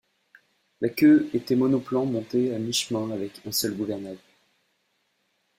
La queue était monoplan montée à mi-chemin avec un seul gouvernail.